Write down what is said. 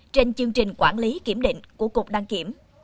trên chương trình quản lý kiểm định của cục đăng kiểm